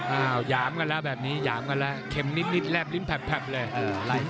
หยามกันแล้วแบบนี้หยามกันแล้วเข็มนิดแรบลิ้นแผ่บเลย